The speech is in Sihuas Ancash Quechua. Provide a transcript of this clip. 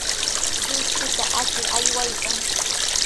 Lluychuta ashir aywaykan.